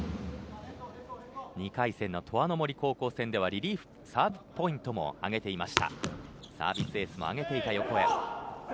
２回戦のとわの森高校戦ではリリーフサーブポイントも挙げていました。